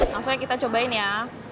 langsung aja kita cobain ya